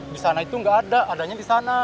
disana itu gak ada adanya disana